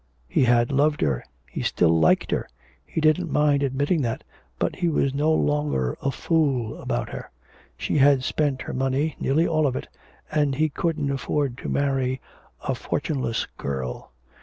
He had loved her, he still liked her, he didn't mind admitting that, but he was no longer a fool about her. She had spent her money, nearly all of it, and he couldn't afford to marry a fortuneless girl.